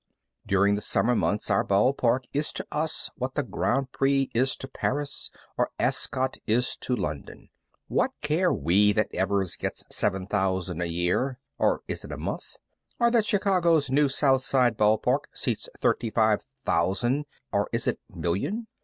During the summer months our ball park is to us what the Grand Prix is to Paris, or Ascot is to London. What care we that Evers gets seven thousand a year (or is it a month?); or that Chicago's new South side ball park seats thirty five thousand (or is it million?).